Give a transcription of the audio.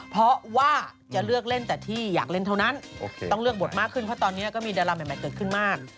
เพราะว่าจะเลือกเล่นแต่ที่อยากเล่นเท่านั้นต้องเลือกบทมากขึ้นเพราะตอนนี้ก็มีดาราใหม่เกิดขึ้นมาก